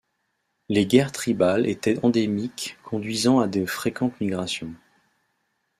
Les guerres tribales étaient endémiques conduisant à de fréquentes migrations.